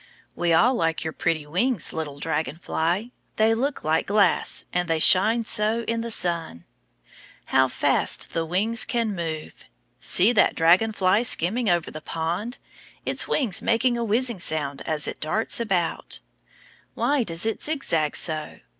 We all like your pretty wings, little dragon fly; they look like glass and they shine so in the sun. How fast the wings can move! See that dragon fly skimming over the pond; its wings make a whizzing sound as it darts about. Why does it zigzag so?